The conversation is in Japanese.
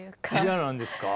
嫌なんですか？